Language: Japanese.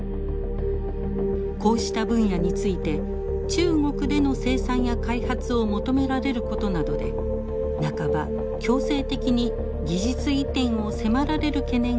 こうした分野について中国での生産や開発を求められることなどで半ば強制的に技術移転を迫られる懸念が高まっています。